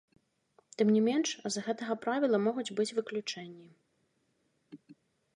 Тым не менш, з гэтага правіла могуць быць выключэнні.